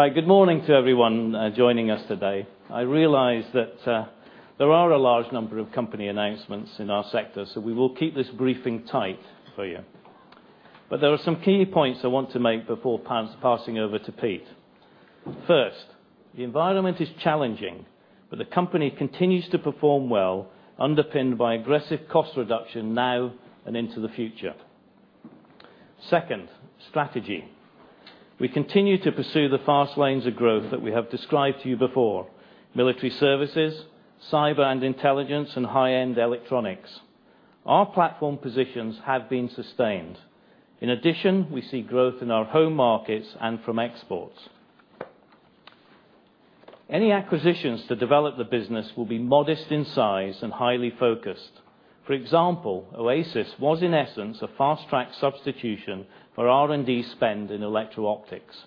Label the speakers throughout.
Speaker 1: Right. Good morning to everyone joining us today. I realize that there are a large number of company announcements in our sector, we will keep this briefing tight for you. There are some key points I want to make before passing over to Pete. First, the environment is challenging, the company continues to perform well, underpinned by aggressive cost reduction now and into the future. Second, strategy. We continue to pursue the fast lanes of growth that we have described to you before, military services, cyber and intelligence, and high-end electronics. Our platform positions have been sustained. In addition, we see growth in our home markets and from exports. Any acquisitions to develop the business will be modest in size and highly focused. For example, OASIS was, in essence, a fast-track substitution for R&D spend in electro-optics.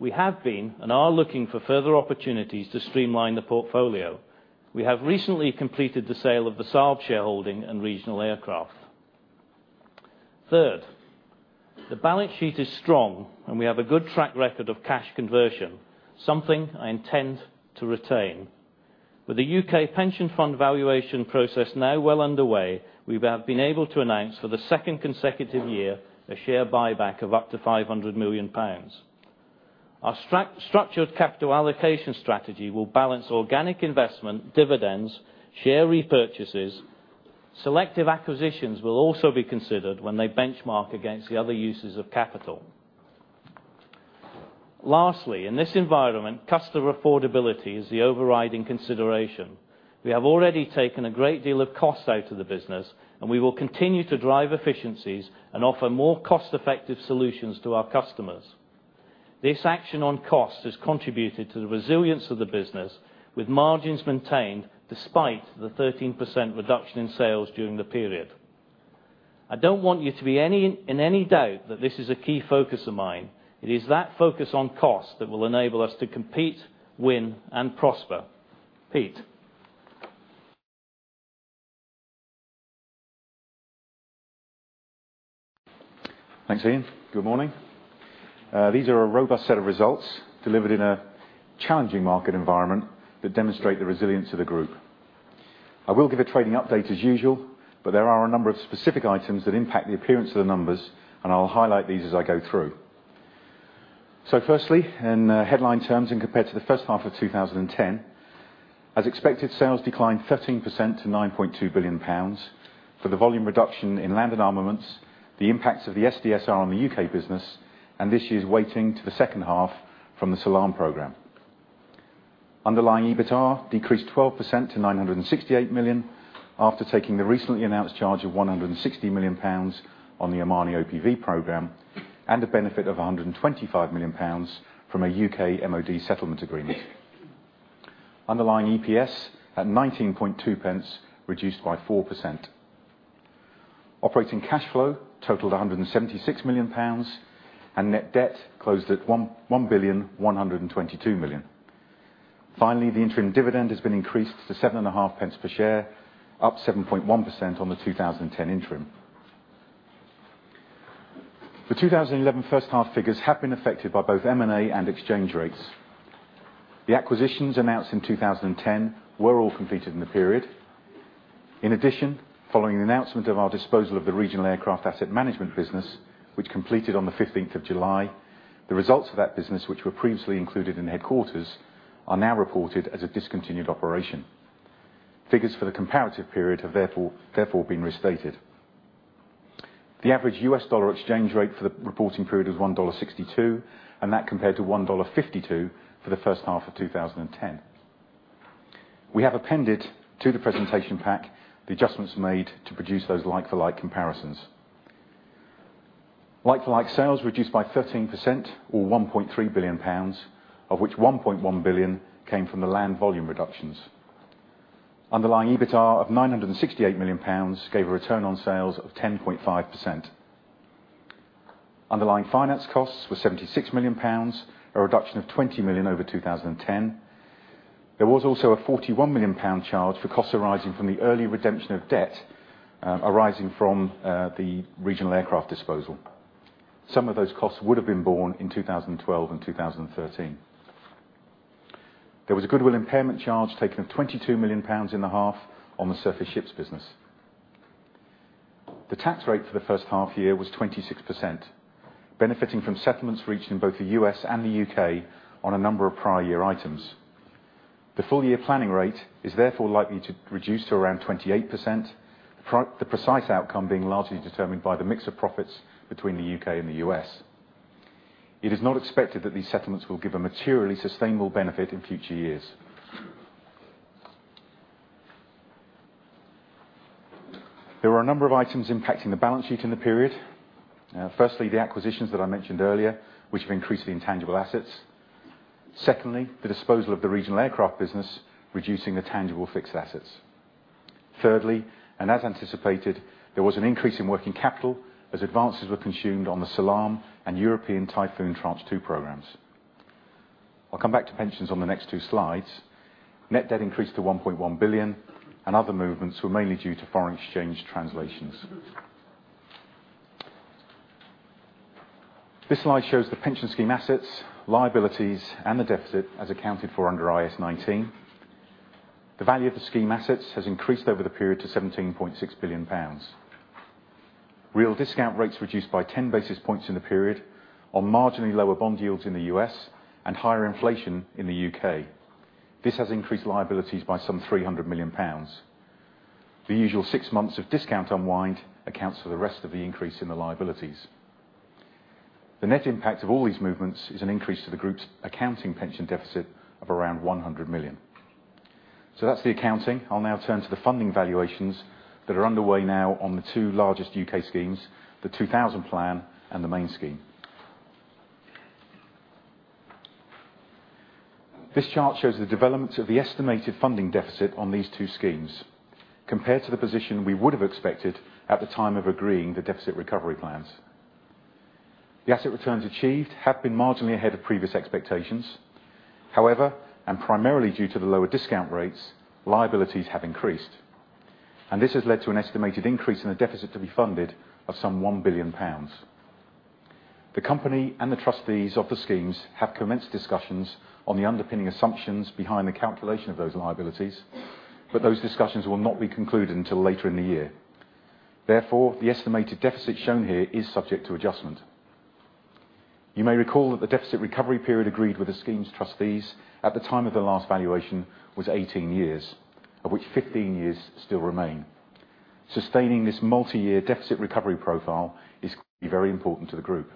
Speaker 1: We have been and are looking for further opportunities to streamline the portfolio. We have recently completed the sale of the Saab shareholding and Regional Aircraft. Third, the balance sheet is strong, we have a good track record of cash conversion, something I intend to retain. With the U.K. pension fund valuation process now well underway, we have been able to announce for the second consecutive year a share buyback of up to 500 million pounds. Our structured capital allocation strategy will balance organic investment dividends, share repurchases. Selective acquisitions will also be considered when they benchmark against the other uses of capital. Lastly, in this environment, customer affordability is the overriding consideration. We have already taken a great deal of cost out of the business, we will continue to drive efficiencies and offer more cost-effective solutions to our customers. This action on cost has contributed to the resilience of the business, with margins maintained despite the 13% reduction in sales during the period. I don't want you to be in any doubt that this is a key focus of mine. It is that focus on cost that will enable us to compete, win, and prosper. Pete.
Speaker 2: Thanks, Ian. Good morning. These are a robust set of results delivered in a challenging market environment that demonstrate the resilience of the group. I will give a trading update as usual, there are a number of specific items that impact the appearance of the numbers, I'll highlight these as I go through. Firstly, in headline terms compared to the first half of 2010, as expected, sales declined 13% to 9.2 billion pounds for the volume reduction in land and armaments, the impacts of the SDSR on the U.K. business, this year's weighting to the second half from the Salam program. Underlying EBITA decreased 12% to 968 million after taking the recently announced charge of 160 million pounds on the Oman OPV program, a benefit of 125 million pounds from a U.K. MOD settlement agreement. Underlying EPS at 0.192, reduced by 4%. Operating cash flow totaled 176 million pounds. Net debt closed at 1.122 billion. The interim dividend has been increased to 0.075 per share, up 7.1% on the 2010 interim. The 2011 first half figures have been affected by both M&A and exchange rates. The acquisitions announced in 2010 were all completed in the period. Following the announcement of our disposal of the Regional Aircraft asset management business, which completed on the 15th of July, the results of that business, which were previously included in headquarters, are now reported as a discontinued operation. Figures for the comparative period have therefore been restated. The average U.S. dollar exchange rate for the reporting period was $1.62, and that compared to $1.52 for the first half of 2010. We have appended to the presentation pack the adjustments made to produce those like-for-like comparisons. Like-for-like sales reduced by 13% or 1.3 billion pounds, of which 1.1 billion came from the land volume reductions. Underlying EBITA of 968 million pounds gave a return on sales of 10.5%. Underlying finance costs were 76 million pounds, a reduction of 20 million over 2010. There was also a 41 million pound charge for costs arising from the early redemption of debt, arising from the Regional Aircraft disposal. Some of those costs would have been borne in 2012 and 2013. There was a goodwill impairment charge taken of 22 million pounds in the half on the Surface Ships business. The tax rate for the first half year was 26%, benefiting from settlements reached in both the U.S. and the U.K. on a number of prior year items. The full-year planning rate is therefore likely to reduce to around 28%, the precise outcome being largely determined by the mix of profits between the U.K. and the U.S. It is not expected that these settlements will give a materially sustainable benefit in future years. There were a number of items impacting the balance sheet in the period. The acquisitions that I mentioned earlier, which have increased the intangible assets. The disposal of the Regional Aircraft business, reducing the tangible fixed assets. As anticipated, there was an increase in working capital as advances were consumed on the Salam and European Typhoon Tranche 2 programs. I'll come back to pensions on the next two slides. Net debt increased to 1.1 billion, and other movements were mainly due to foreign exchange translations. This slide shows the pension scheme assets, liabilities, and the deficit as accounted for under IAS 19. The value of the scheme assets has increased over the period to 17.6 billion pounds. Real discount rates reduced by 10 basis points in the period on marginally lower bond yields in the U.S. and higher inflation in the U.K. This has increased liabilities by some 300 million pounds. The usual six months of discount unwind accounts for the rest of the increase in the liabilities. The net impact of all these movements is an increase to the group's accounting pension deficit of around 100 million. That's the accounting. I'll now turn to the funding valuations that are underway now on the two largest U.K. schemes, the 2000 Plan and the Main Scheme. This chart shows the development of the estimated funding deficit on these two schemes compared to the position we would have expected at the time of agreeing the deficit recovery plans. The asset returns achieved have been marginally ahead of previous expectations. Primarily due to the lower discount rates, liabilities have increased, and this has led to an estimated increase in the deficit to be funded of some 1 billion pounds. The company and the trustees of the schemes have commenced discussions on the underpinning assumptions behind the calculation of those liabilities, but those discussions will not be concluded until later in the year. Therefore, the estimated deficit shown here is subject to adjustment. You may recall that the deficit recovery period agreed with the scheme's trustees at the time of the last valuation was 18 years, of which 15 years still remain. Sustaining this multi-year deficit recovery profile is very important to the group.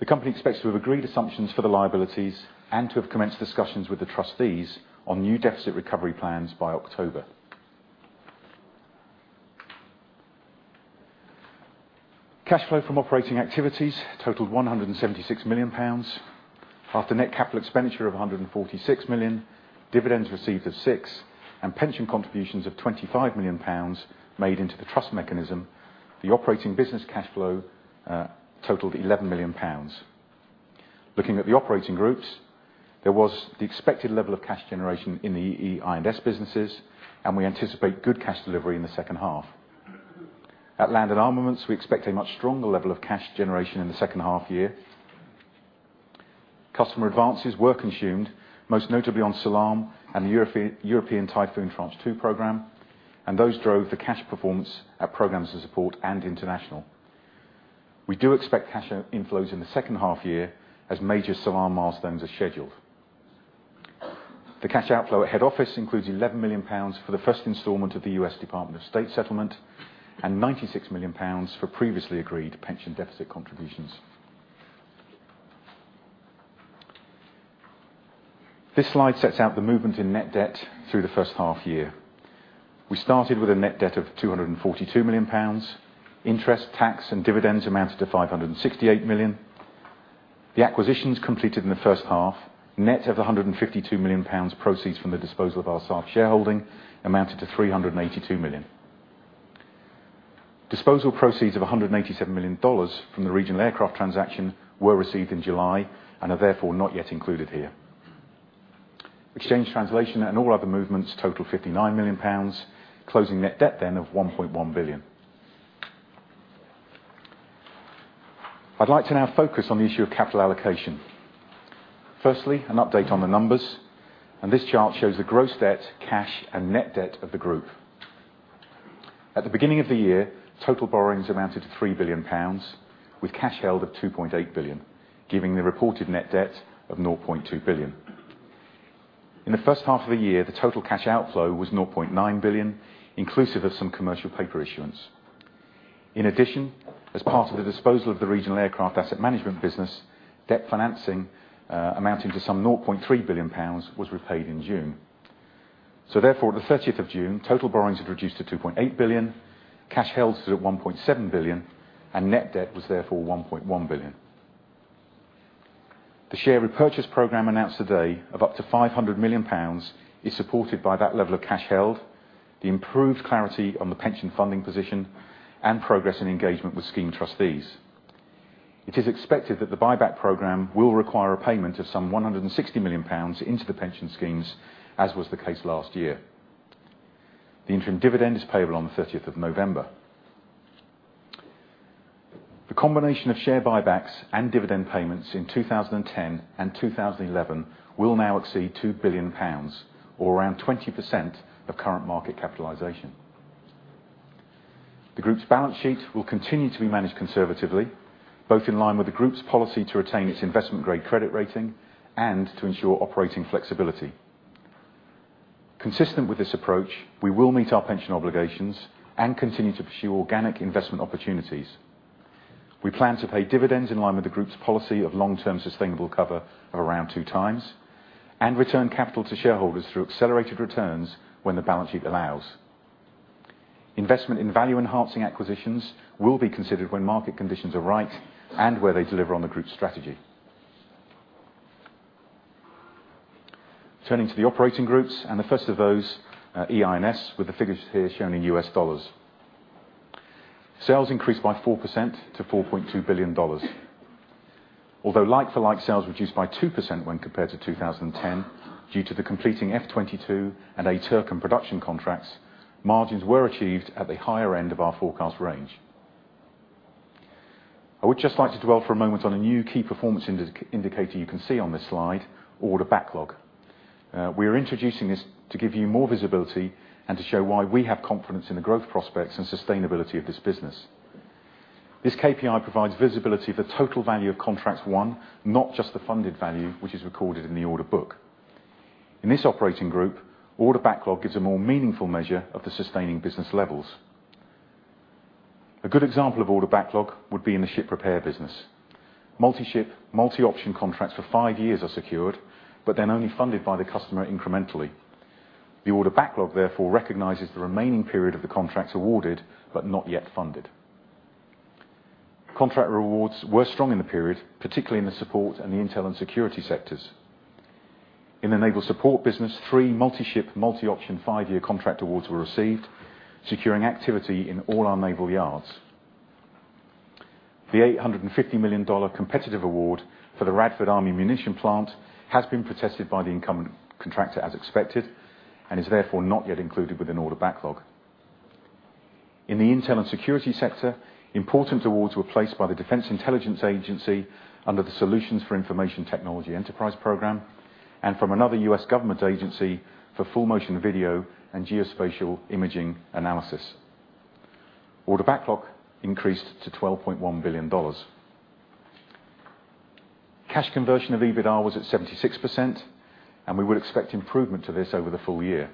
Speaker 2: The company expects to have agreed assumptions for the liabilities and to have commenced discussions with the trustees on new deficit recovery plans by October. Cash flow from operating activities totaled 176 million pounds. After net capital expenditure of 146 million, dividends received of 6, and pension contributions of 25 million pounds made into the trust mechanism, the operating business cash flow totaled 11 million pounds. Looking at the operating groups, there was the expected level of cash generation in the EI&S businesses, and we anticipate good cash delivery in the second half. At Land and Armaments, we expect a much stronger level of cash generation in the second half year. Customer advances were consumed, most notably on Salam and the European Typhoon Tranche 2 program. Those drove the cash performance at programs of support and international. We do expect cash inflows in the second half year as major Salam milestones are scheduled. The cash outflow at head office includes 11 million pounds for the first installment of the United States Department of State settlement and 96 million pounds for previously agreed pension deficit contributions. This slide sets out the movement in net debt through the first half year. We started with a net debt of 242 million pounds. Interest, tax, and dividends amounted to 568 million. The acquisitions completed in the first half, net of 152 million pounds proceeds from the disposal of our Saab shareholding, amounted to 382 million. Disposal proceeds of $187 million from the Regional Aircraft transaction were received in July and are therefore not yet included here. Exchange translation and all other movements total 59 million pounds, closing net debt of 1.1 billion. I'd like to now focus on the issue of capital allocation. Firstly, an update on the numbers. This chart shows the gross debt, cash, and net debt of the group. At the beginning of the year, total borrowings amounted to 3 billion pounds, with cash held of 2.8 billion, giving the reported net debt of 0.2 billion. In the first half of the year, the total cash outflow was 0.9 billion, inclusive of some commercial paper issuance. In addition, as part of the disposal of the Regional Aircraft asset management business, debt financing amounting to some 0.3 billion pounds was repaid in June. The 30th of June, total borrowings had reduced to 2.8 billion, cash held stood at 1.7 billion, and net debt was therefore 1.1 billion. The share repurchase program announced today of up to 500 million pounds is supported by that level of cash held, the improved clarity on the pension funding position, and progress in engagement with scheme trustees. It is expected that the buyback program will require a payment of some 160 million pounds into the pension schemes, as was the case last year. The interim dividend is payable on the 30th of November. The combination of share buybacks and dividend payments in 2010 and 2011 will now exceed 2 billion pounds, or around 20% of current market capitalization. The group's balance sheet will continue to be managed conservatively, both in line with the group's policy to retain its investment-grade credit rating and to ensure operating flexibility. Consistent with this approach, we will meet our pension obligations and continue to pursue organic investment opportunities. We plan to pay dividends in line with the group's policy of long-term sustainable cover of around two times, and return capital to shareholders through accelerated returns when the balance sheet allows. Investment in value-enhancing acquisitions will be considered when market conditions are right and where they deliver on the group's strategy. Turning to the operating groups, and the first of those, EI&S, with the figures here shown in U.S. dollars. Sales increased by 4% to $4.2 billion. Although like-for-like sales reduced by 2% when compared to 2010, due to the completing F-22 and ATK production contracts, margins were achieved at the higher end of our forecast range. I would just like to dwell for a moment on a new key performance indicator you can see on this slide, order backlog. We are introducing this to give you more visibility and to show why we have confidence in the growth prospects and sustainability of this business. This KPI provides visibility of the total value of contracts won, not just the funded value, which is recorded in the order book. In this operating group, order backlog gives a more meaningful measure of the sustaining business levels. A good example of order backlog would be in the ship repair business. Multi-ship, multi-option contracts for five years are secured, then only funded by the customer incrementally. The order backlog therefore recognizes the remaining period of the contracts awarded, but not yet funded. Contract awards were strong in the period, particularly in the support and the Intelligence & Security sectors. In the naval support business, three multi-ship, multi-option, five-year contract awards were received, securing activity in all our naval yards. The $850 million competitive award for the Radford Army Ammunition Plant has been protested by the incumbent contractor as expected and is therefore not yet included within order backlog. In the Intelligence & Security sector, important awards were placed by the Defense Intelligence Agency under the Solutions for Information Technology Enterprise program, and from another U.S. government agency for full-motion video and geospatial imaging analysis. Order backlog increased to $12.1 billion. Cash conversion of EBITDA was at 76%, and we would expect improvement to this over the full year.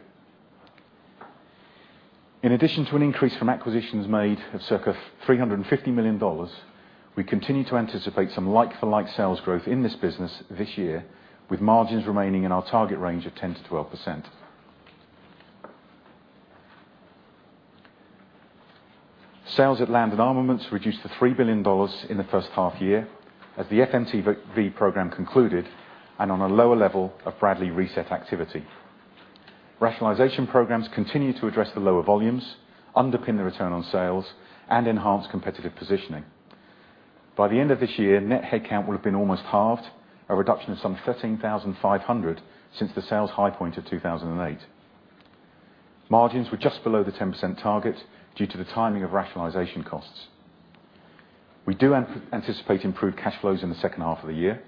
Speaker 2: In addition to an increase from acquisitions made of circa $350 million, we continue to anticipate some like-for-like sales growth in this business this year, with margins remaining in our target range of 10%-12%. Sales at Land and Armaments reduced to $3 billion in the first half year as the FMTV program concluded and on a lower level of Bradley reset activity. Rationalization programs continue to address the lower volumes, underpin the return on sales, and enhance competitive positioning. By the end of this year, net headcount will have been almost halved, a reduction of some 13,500 since the sales high point of 2008. Margins were just below the 10% target due to the timing of rationalization costs. We do anticipate improved cash flows in the second half of the year,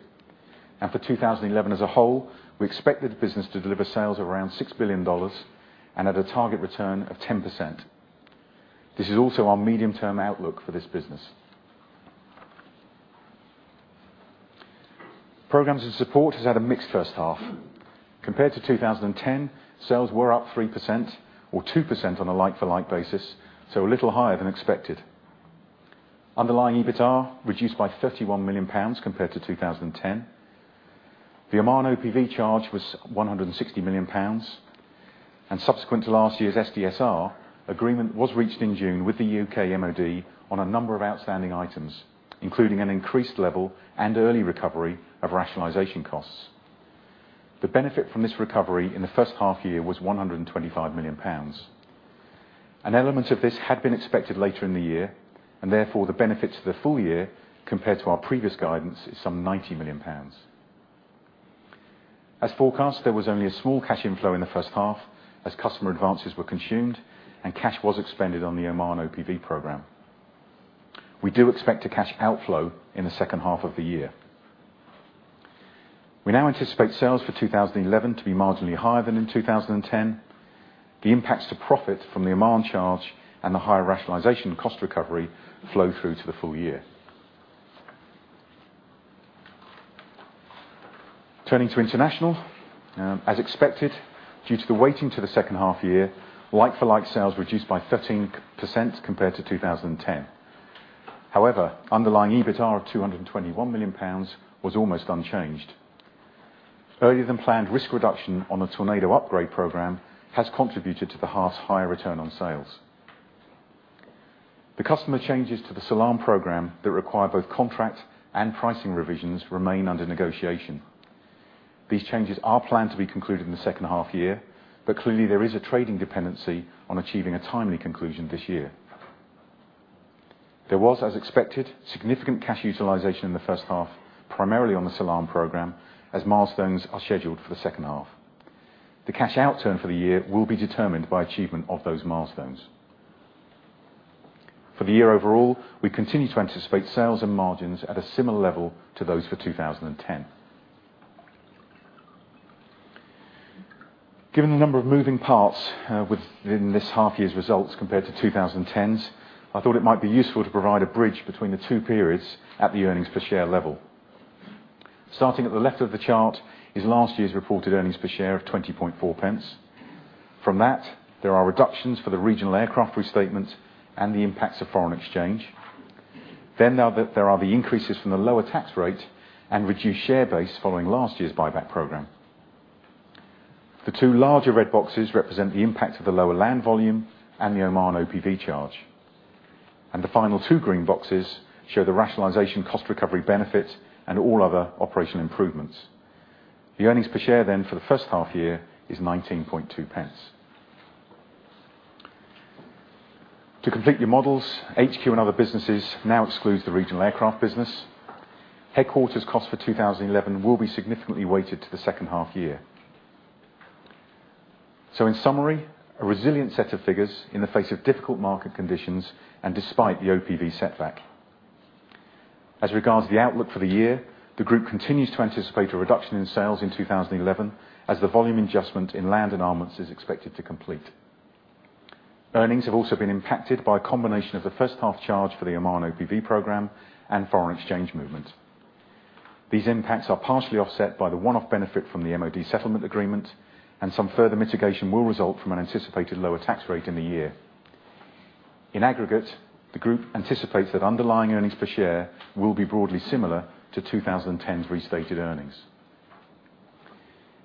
Speaker 2: and for 2011 as a whole, we expect this business to deliver sales around $6 billion and at a target return of 10%. This is also our medium-term outlook for this business. Programmes and Support has had a mixed first half. Compared to 2010, sales were up 3% or 2% on a like-for-like basis, a little higher than expected. Underlying EBITA reduced by 31 million pounds compared to 2010. The Oman OPV charge was 160 million pounds, subsequent to last year's SDSR, agreement was reached in June with the U.K. MOD on a number of outstanding items, including an increased level and early recovery of rationalization costs. The benefit from this recovery in the first half year was 125 million pounds. An element of this had been expected later in the year, therefore the benefit to the full year compared to our previous guidance is some 90 million pounds. As forecast, there was only a small cash inflow in the first half as customer advances were consumed and cash was expended on the Oman OPV program. We do expect a cash outflow in the second half of the year. We now anticipate sales for 2011 to be marginally higher than in 2010. The impacts to profit from the Oman charge and the higher rationalization cost recovery flow through to the full year. Turning to International. As expected, due to the weighting to the second half year, like-for-like sales reduced by 13% compared to 2010. However, underlying EBITA of 221 million pounds was almost unchanged. Earlier than planned risk reduction on the Tornado upgrade program has contributed to the half's higher return on sales. The customer changes to the Salam program that require both contract and pricing revisions remain under negotiation. These changes are planned to be concluded in the second half year, clearly there is a trading dependency on achieving a timely conclusion this year. There was, as expected, significant cash utilization in the first half, primarily on the Salam program, as milestones are scheduled for the second half. The cash outturn for the year will be determined by achievement of those milestones. For the year overall, we continue to anticipate sales and margins at a similar level to those for 2010. Given the number of moving parts within this half year's results compared to 2010's, I thought it might be useful to provide a bridge between the two periods at the earnings per share level. Starting at the left of the chart is last year's reported earnings per share of 0.204. From that, there are reductions for the Regional Aircraft restatements and the impacts of foreign exchange. There are the increases from the lower tax rate and reduced share base following last year's buyback program. The two larger red boxes represent the impact of the lower Land volume and the Oman OPV charge. The final two green boxes show the rationalization cost recovery benefit and all other operational improvements. The earnings per share then for the first half year is 0.192. To complete your models, HQ and other businesses now excludes the Regional Aircraft business. Headquarters cost for 2011 will be significantly weighted to the second half year. In summary, a resilient set of figures in the face of difficult market conditions and despite the OPV setback. Regards to the outlook for the year, the group continues to anticipate a reduction in sales in 2011, as the volume adjustment in Land and Armaments is expected to complete. Earnings have also been impacted by a combination of the first half charge for the Oman OPV program and foreign exchange movement. These impacts are partially offset by the one-off benefit from the MoD settlement agreement, and some further mitigation will result from an anticipated lower tax rate in the year. In aggregate, the group anticipates that underlying earnings per share will be broadly similar to 2010's restated earnings.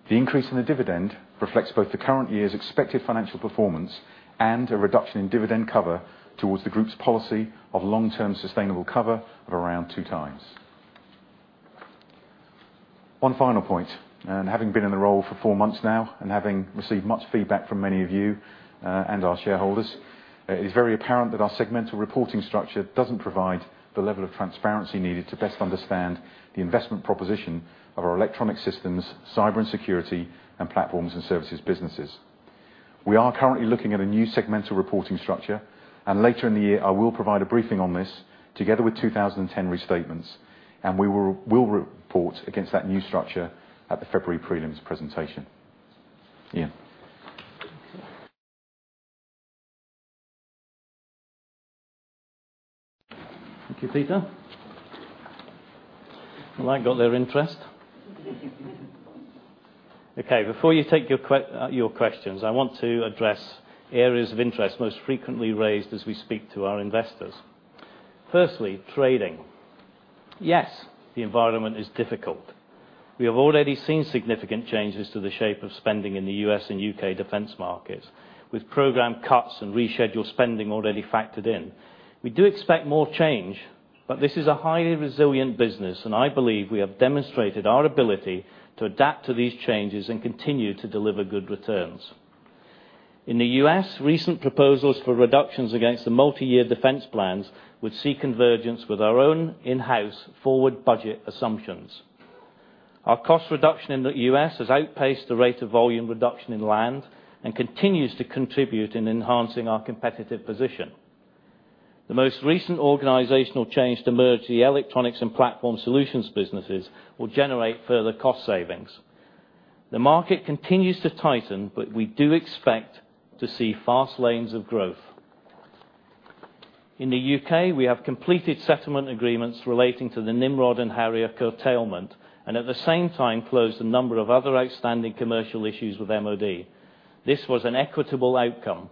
Speaker 2: The increase in the dividend reflects both the current year's expected financial performance and a reduction in dividend cover towards the group's policy of long-term sustainable cover of around two times. One final point, having been in the role for four months now, having received much feedback from many of you and our shareholders, it is very apparent that our segmental reporting structure doesn't provide the level of transparency needed to best understand the investment proposition of our Electronic Systems, cyber and security, and platforms and services businesses. We are currently looking at a new segmental reporting structure, later in the year, I will provide a briefing on this together with 2010 restatements, and we will report against that new structure at the February prelims presentation. Ian.
Speaker 1: Thank you, Peter. Well, that got their interest. Before you take your questions, I want to address areas of interest most frequently raised as we speak to our investors. Firstly, trading. Yes, the environment is difficult. We have already seen significant changes to the shape of spending in the U.S. and U.K. defense markets, with program cuts and rescheduled spending already factored in. We do expect more change, but this is a highly resilient business, and I believe we have demonstrated our ability to adapt to these changes and continue to deliver good returns. In the U.S., recent proposals for reductions against the multi-year defense plans would see convergence with our own in-house forward budget assumptions. Our cost reduction in the U.S. has outpaced the rate of volume reduction in Land and continues to contribute in enhancing our competitive position. The most recent organizational change to merge the Electronics and Platform Solutions businesses will generate further cost savings. The market continues to tighten, but we do expect to see fast lanes of growth. In the U.K., we have completed settlement agreements relating to the Nimrod and Harrier curtailment. At the same time, closed a number of other outstanding commercial issues with MoD. This was an equitable outcome.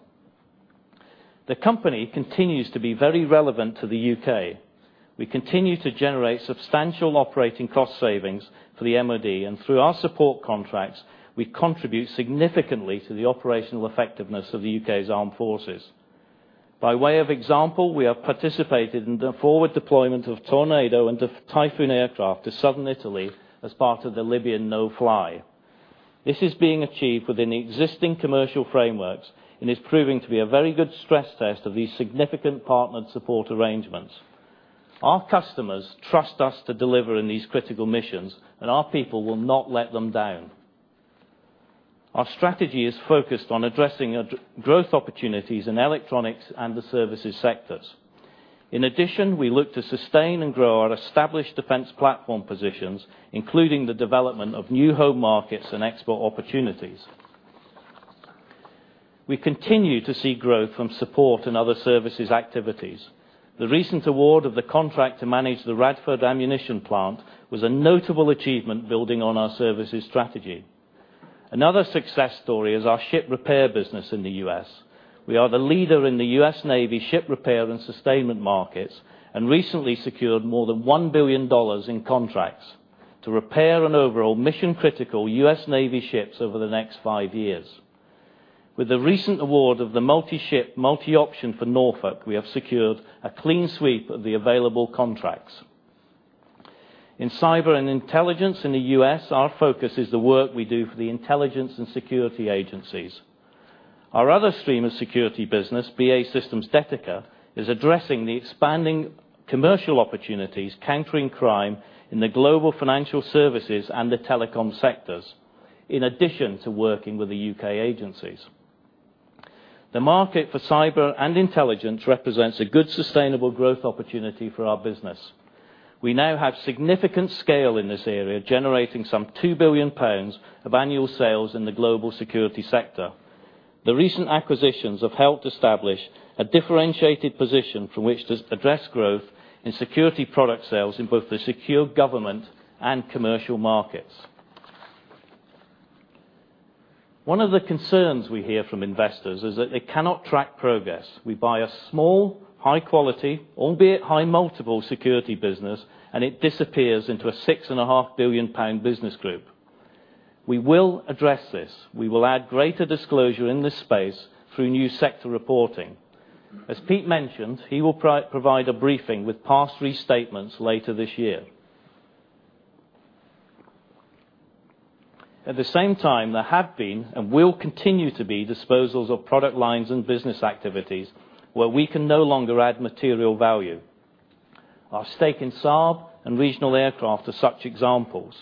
Speaker 1: The company continues to be very relevant to the U.K. We continue to generate substantial operating cost savings for the MoD, and through our support contracts, we contribute significantly to the operational effectiveness of the U.K.'s Armed Forces. By way of example, we have participated in the forward deployment of Tornado and the Typhoon aircraft to Southern Italy as part of the Libyan no-fly. This is being achieved within the existing commercial frameworks and is proving to be a very good stress test of these significant partnered support arrangements. Our customers trust us to deliver in these critical missions, and our people will not let them down. Our strategy is focused on addressing growth opportunities in Electronics and the services sectors. In addition, we look to sustain and grow our established defense platform positions, including the development of new home markets and export opportunities. We continue to see growth from support and other services activities. The recent award of the contract to manage the Radford ammunition plant was a notable achievement building on our services strategy. Another success story is our ship repair business in the U.S. We are the leader in the U.S. Navy ship repair and sustainment markets, and recently secured more than $1 billion in contracts to repair an overall mission-critical U.S. Navy ships over the next five years. With the recent award of the multi-ship, multi-option for Norfolk, we have secured a clean sweep of the available contracts. In cyber and intelligence in the U.S., our focus is the work we do for the intelligence and security agencies. Our other stream of security business, BAE Systems Detica, is addressing the expanding commercial opportunities, countering crime in the global financial services and the telecom sectors, in addition to working with the U.K. agencies. The market for cyber and intelligence represents a good sustainable growth opportunity for our business. We now have significant scale in this area, generating some 2 billion pounds of annual sales in the global security sector. The recent acquisitions have helped establish a differentiated position from which to address growth in security product sales in both the secure government and commercial markets. One of the concerns we hear from investors is that they cannot track progress. We buy a small, high quality, albeit high multiple security business, and it disappears into a 6.5 billion pound business group. We will address this. We will add greater disclosure in this space through new sector reporting. As Pete mentioned, he will provide a briefing with past restatements later this year. At the same time, there have been, and will continue to be, disposals of product lines and business activities where we can no longer add material value. Our stake in Saab and Regional Aircraft are such examples.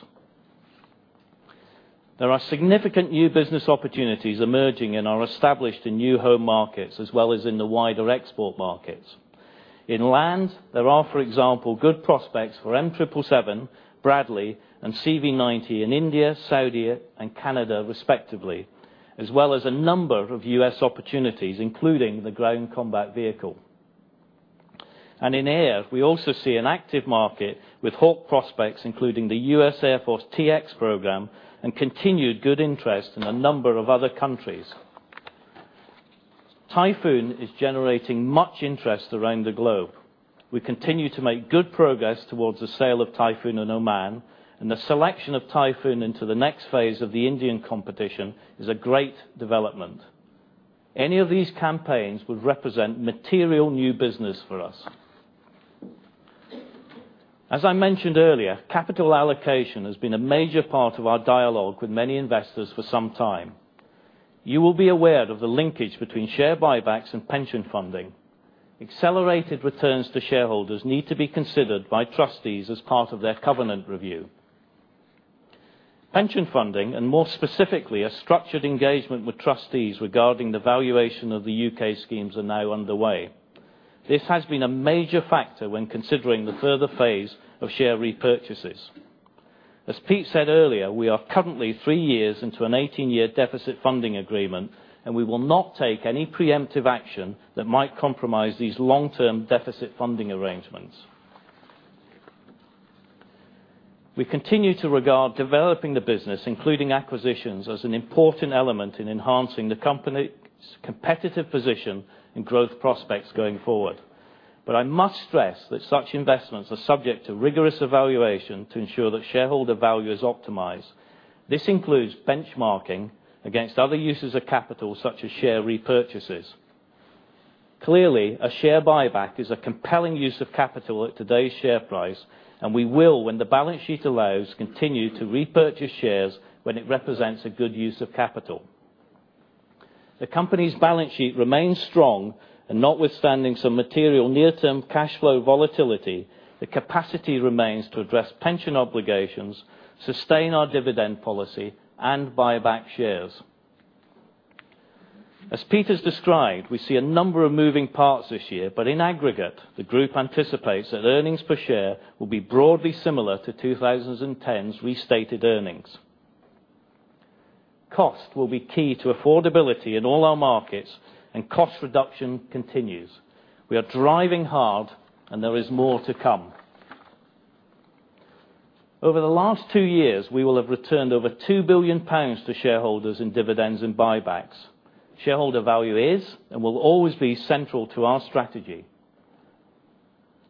Speaker 1: There are significant new business opportunities emerging and are established in new home markets, as well as in the wider export markets. In land, there are, for example, good prospects for M777, Bradley, and CV90 in India, Saudi, and Canada respectively, as well as a number of U.S. opportunities, including the Ground Combat Vehicle. In air, we also see an active market with Hawk prospects, including the U.S. Air Force TX program, and continued good interest in a number of other countries. Typhoon is generating much interest around the globe. We continue to make good progress towards the sale of Typhoon in Oman, The selection of Typhoon into the next phase of the Indian competition is a great development. Any of these campaigns would represent material new business for us. As I mentioned earlier, capital allocation has been a major part of our dialogue with many investors for some time. You will be aware of the linkage between share buybacks and pension funding. Accelerated returns to shareholders need to be considered by trustees as part of their covenant review. Pension funding, More specifically, a structured engagement with trustees regarding the valuation of the U.K. schemes are now underway. This has been a major factor when considering the further phase of share repurchases. As Pete said earlier, we are currently three years into an 18-year deficit funding agreement, We will not take any preemptive action that might compromise these long-term deficit funding arrangements. We continue to regard developing the business, including acquisitions, as an important element in enhancing the company's competitive position and growth prospects going forward. I must stress that such investments are subject to rigorous evaluation to ensure that shareholder value is optimized. This includes benchmarking against other uses of capital, such as share repurchases. Clearly, a share buyback is a compelling use of capital at today's share price, We will, when the balance sheet allows, continue to repurchase shares when it represents a good use of capital. The company's balance sheet remains strong, Notwithstanding some material near-term cash flow volatility, the capacity remains to address pension obligations, sustain our dividend policy, and buy back shares. As Pete has described, we see a number of moving parts this year, In aggregate, the group anticipates that earnings per share will be broadly similar to 2010's restated earnings. Cost will be key to affordability in all our markets, Cost reduction continues. We are driving hard, There is more to come. Over the last two years, we will have returned over 2 billion pounds to shareholders in dividends and buybacks. Shareholder value is and will always be central to our strategy.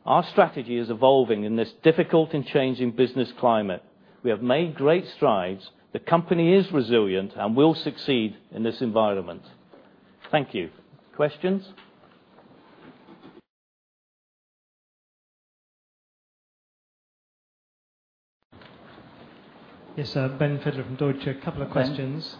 Speaker 1: Our strategy is evolving in this difficult and changing business climate. We have made great strides. The company is resilient and will succeed in this environment. Thank you. Questions?
Speaker 3: Yes, sir. Ben Fidler from Deutsche. A couple of questions.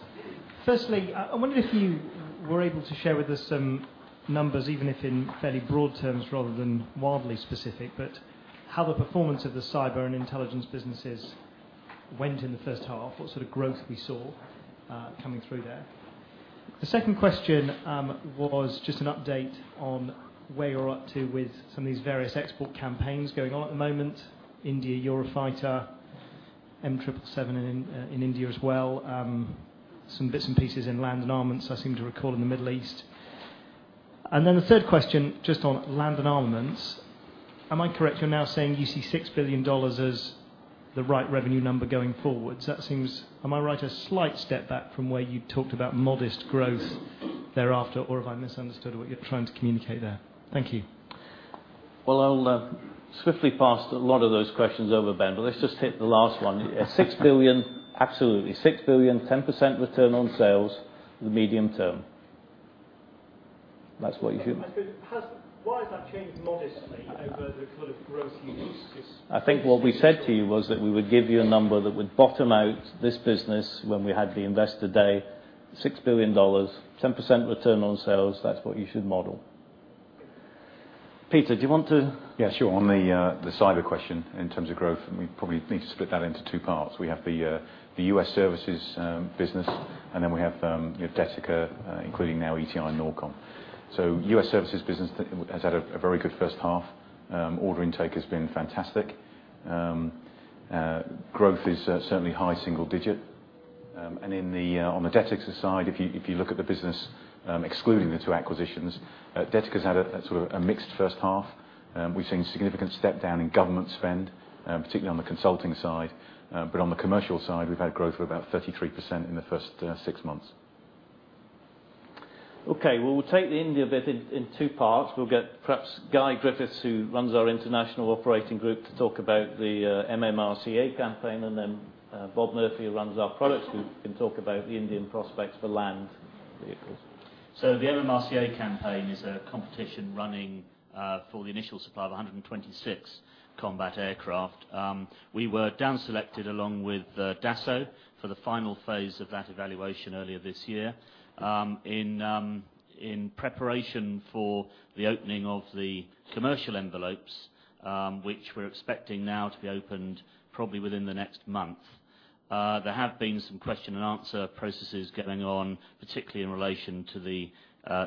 Speaker 1: Ben.
Speaker 3: I wonder if you were able to share with us some numbers, even if in fairly broad terms rather than wildly specific, but how the performance of the cyber and intelligence businesses went in the first half, what sort of growth we saw coming through there. The second question was just an update on where you are up to with some of these various export campaigns going on at the moment. India Eurofighter, M777 in India as well, some bits and pieces in land and armaments, I seem to recall, in the Middle East. The third question, just on land and armaments, am I correct, you are now saying you see $6 billion as the right revenue number going forward? Am I right, a slight step back from where you talked about modest growth thereafter, or have I misunderstood what you are trying to communicate there? Thank you.
Speaker 1: I will swiftly pass a lot of those questions over, Ben, let's just hit the last one. $6 billion, absolutely. $6 billion, 10% return on sales in the medium term.
Speaker 3: I suppose, why has that changed modestly over the sort of growth you used this
Speaker 1: I think what we said to you was that we would give you a number that would bottom out this business when we had the investor day, $6 billion, 10% return on sales. That's what you should model. Peter, do you want to-
Speaker 2: Yeah, sure. On the cyber question in terms of growth, we probably need to split that into two parts. We have the U.S. services business, we have Detica, including now ETI and Norkom. U.S. services business has had a very good first half. Order intake has been fantastic. Growth is certainly high single digit. On the Detica side, if you look at the business, excluding the two acquisitions, Detica's had a sort of, a mixed first half. We've seen significant step down in government spend, particularly on the consulting side. On the commercial side, we've had growth of about 33% in the first six months.
Speaker 1: Okay. Well, we'll take the India bit in two parts. We'll get perhaps Guy Griffiths, who runs our international operating group, to talk about the MMRCA campaign, Bob Murphy, who runs our products group, can talk about the Indian prospects for land vehicles.
Speaker 4: The MMRCA campaign is a competition running for the initial supply of 126 combat aircraft. We were down-selected along with Dassault for the final phase of that evaluation earlier this year. In preparation for the opening of the commercial envelopes, which we're expecting now to be opened probably within the next month, there have been some question and answer processes going on, particularly in relation to the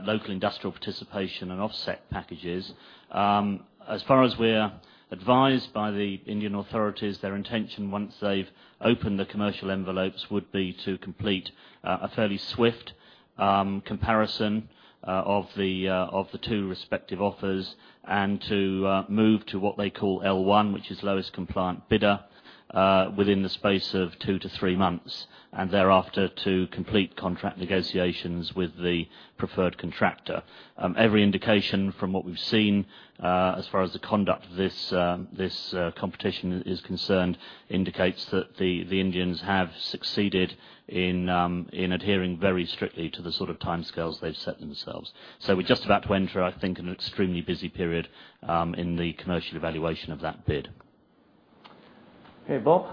Speaker 4: local industrial participation and offset packages. As far as we're advised by the Indian authorities, their intention, once they've opened the commercial envelopes, would be to complete a fairly swift comparison of the two respective offers and to move to what they call L1, which is lowest compliant bidder, within the space of two to three months, and thereafter to complete contract negotiations with the preferred contractor. Every indication from what we've seen, as far as the conduct of this competition is concerned, indicates that the Indians have succeeded in adhering very strictly to the sort of timescales they've set themselves. We're just about to enter, I think, an extremely busy period in the commercial evaluation of that bid.
Speaker 1: Okay, Bob.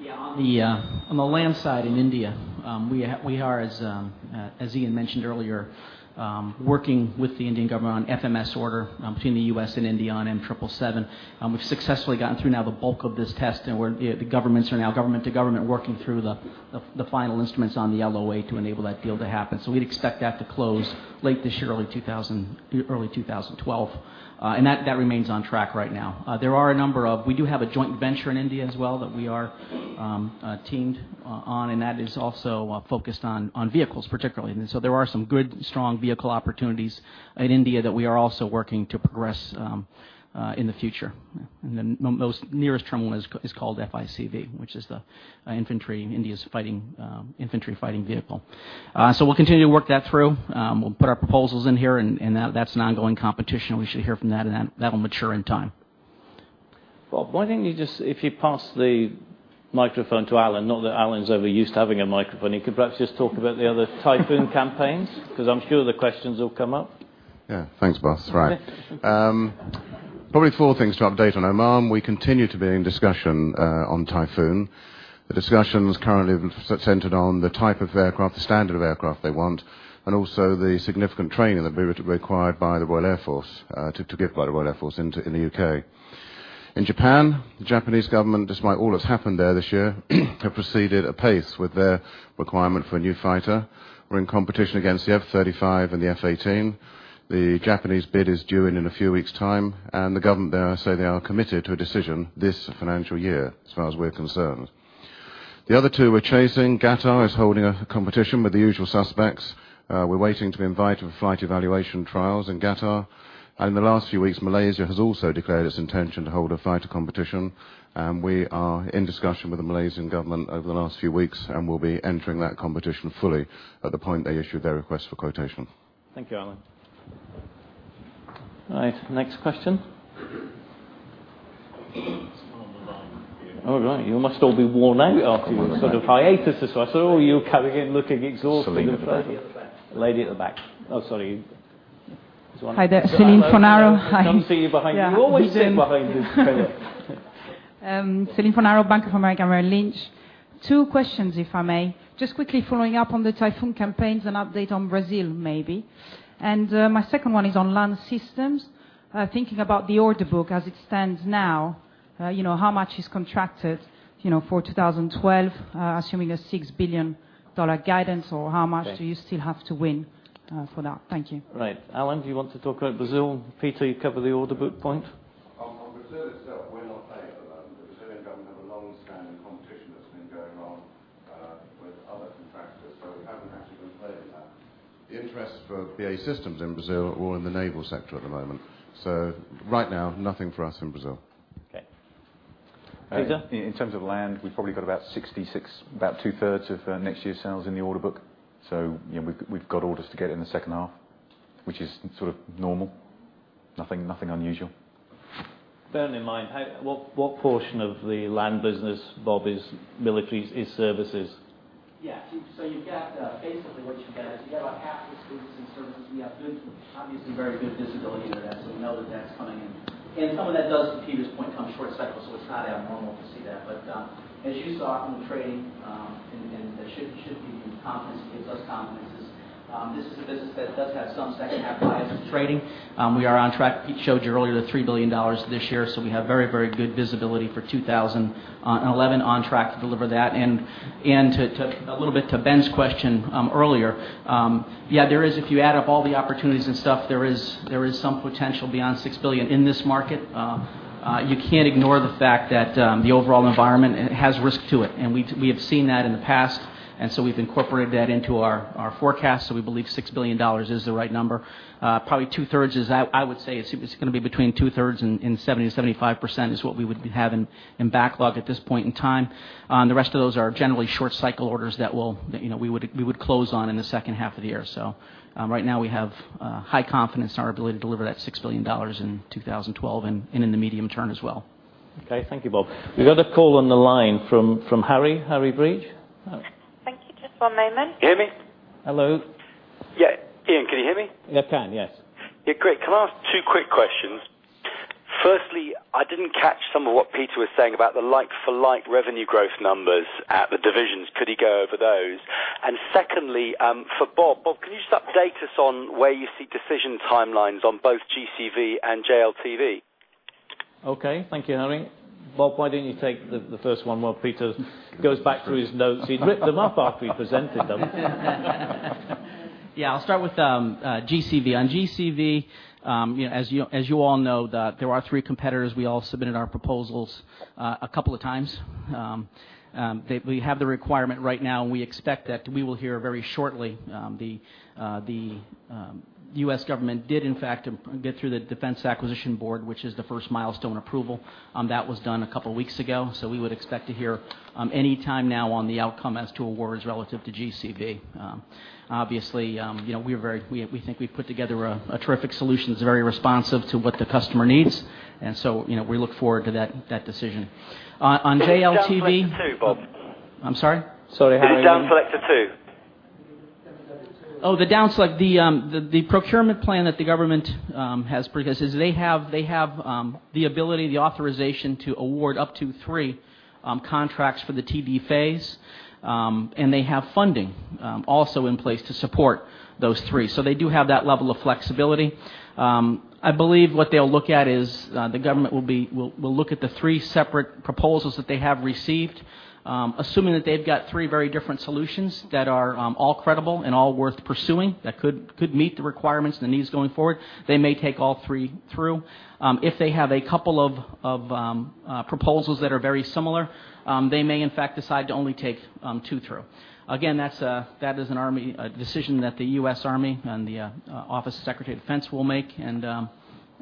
Speaker 5: Yeah. On the land side in India, we are, as Ian mentioned earlier, working with the Indian government on FMS order between the U.S. and India on M777. We've successfully gotten through now the bulk of this test, and the governments are now government to government, working through the final instruments on the LOA to enable that deal to happen. We'd expect that to close late this year, early 2012, and that remains on track right now. We do have a joint venture in India as well that we are teamed on, and that is also focused on vehicles particularly. There are some good, strong vehicle opportunities in India that we are also working to progress in the future, and the nearest terminal is called FICV, which is India's infantry fighting vehicle. We'll continue to work that through. We'll put our proposals in here, and that's an ongoing competition. We should hear from that, and that'll mature in time.
Speaker 1: Bob, why don't you just, if you pass the microphone to Alan, not that Alan's ever used to having a microphone, he could perhaps just talk about the other Typhoon campaigns? I'm sure the questions will come up.
Speaker 6: Yeah. Thanks, boss. Right. Probably four things to update on. Oman, we continue to be in discussion on Typhoon. The discussions currently centered on the type of aircraft, the standard of aircraft they want, and also the significant training that would be required by the Royal Air Force, to give by the Royal Air Force in the U.K. In Japan, the Japanese government, despite all that's happened there this year, have proceeded apace with their requirement for a new fighter. We're in competition against the F-35 and the F-18. The Japanese bid is due in in a few weeks' time, and the government there say they are committed to a decision this financial year, as far as we're concerned. The other two we're chasing, Qatar is holding a competition with the usual suspects. We're waiting to be invited for flight evaluation trials in Qatar. In the last few weeks, Malaysia has also declared its intention to hold a fighter competition, and we are in discussion with the Malaysian government over the last few weeks, and we'll be entering that competition fully at the point they issue their request for quotation.
Speaker 1: Thank you, Alan. All right, next question. There's one on the line here. All right. You must all be worn out after your sort of hiatus. I saw all you coming in looking exhausted.
Speaker 6: Céline.
Speaker 1: Lady at the back. Lady at the back. Oh, sorry.
Speaker 7: Hi there. Céline Fornaro. Hi.
Speaker 1: I can see you behind.
Speaker 7: Yeah.
Speaker 1: You always sit behind this pillar.
Speaker 7: Céline Fornaro, Bank of America Merrill Lynch. Two questions, if I may. Just quickly following up on the Typhoon campaigns and update on Brazil, maybe. My second one is on Land Systems. Thinking about the order book as it stands now, how much is contracted for 2012, assuming a GBP 6 billion guidance, or how much do you still have to win for that? Thank you.
Speaker 1: Right. Alan, do you want to talk about Brazil? Peter, you cover the order book point.
Speaker 6: On Brazil itself, we're not playing at the moment. The Brazilian government have a long-standing competition that's been going on with other contractors, we haven't actually been playing in that. The interest for BAE Systems in Brazil are in the naval sector at the moment. Right now, nothing for us in Brazil.
Speaker 1: Okay. Peter?
Speaker 2: In terms of land, we've probably got about 66, about two-thirds of next year's sales in the order book. We've got orders to get in the second half, which is sort of normal. Nothing unusual.
Speaker 1: Bearing in mind, what portion of the land business, Bob, is military is services?
Speaker 5: Yeah. Basically what you get is you get about half the services. We have obviously very good visibility into that, we know that that's coming in. Some of that does, to Peter's point, come short cycle, so it's not abnormal to see that. As you saw from the trading, and there should be confidence because it does complement this. This is a business that does have some second half bias to the trading. We are on track. Pete showed you earlier, the $3 billion this year, we have very, very good visibility for 2011, on track to deliver that. A little bit to Ben's question earlier, yeah, if you add up all the opportunities and stuff, there is some potential beyond 6 billion in this market. You can't ignore the fact that the overall environment has risk to it, we have seen that in the past, we've incorporated that into our forecast, we believe GBP 6 billion is the right number. Probably two-thirds is, I would say, it's going to be between two-thirds and 70%-75% is what we would have in backlog at this point in time. The rest of those are generally short-cycle orders that we would close on in the second half of the year. Right now, we have high confidence in our ability to deliver that GBP 6 billion in 2012 and in the medium term as well.
Speaker 1: Okay. Thank you, Bob. We've got a call on the line from Harry Breach.
Speaker 8: Just one moment.
Speaker 9: Can you hear me?
Speaker 1: Hello.
Speaker 9: Yeah. Ian, can you hear me?
Speaker 1: I can, yes.
Speaker 9: Yeah, great. Can I ask two quick questions? Firstly, I didn't catch some of what Peter was saying about the like-for-like revenue growth numbers at the divisions. Could he go over those? Secondly, for Bob. Bob, can you just update us on where you see decision timelines on both GCV and JLTV?
Speaker 1: Okay. Thank you, Harry. Bob, why don't you take the first one while Peter goes back through his notes. He'd ripped them up after he presented them.
Speaker 5: Yeah, I'll start with GCV. On GCV, as you all know, there are three competitors. We all submitted our proposals a couple of times. We have the requirement right now, we expect that we will hear very shortly. The U.S. government did in fact get through the Defense Acquisition Board, which is the first milestone approval. That was done a couple of weeks ago. We would expect to hear any time now on the outcome as to awards relative to GCV. Obviously, we think we've put together a terrific solution that's very responsive to what the customer needs. We look forward to that decision. On JLTV.
Speaker 9: Is it down-select to two, Bob?
Speaker 5: I'm sorry?
Speaker 1: Sorry, Harry.
Speaker 9: Is it down-select to two?
Speaker 5: Oh, the down-select. The procurement plan that the government has purchased is, they have the ability, the authorization to award up to three contracts for the T&D phase. They have funding also in place to support those three. They do have that level of flexibility. I believe what they'll look at is, the government will look at the three separate proposals that they have received. Assuming that they've got three very different solutions that are all credible and all worth pursuing, that could meet the requirements and the needs going forward, they may take all three through. If they have a couple of proposals that are very similar, they may in fact decide to only take two through. Again, that is a decision that the U.S. Army and the Office of Secretary of Defense will make,